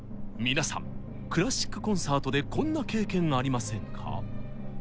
皆さんクラシックコンサートでこんな経験ありませんか？